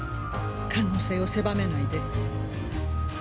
可能性を狭めないで。